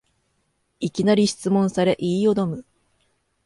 いきなり質問され言いよどむ